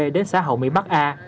đến xã hậu mỹ bắc a